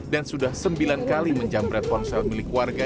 dan sudah sembilan kali menjambret ponsel milik warga